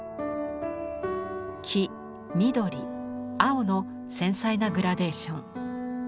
黄緑青の繊細なグラデーション。